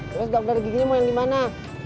terus ga udah ada giginya mau yang dimana